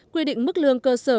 quy định mức lương cơ sở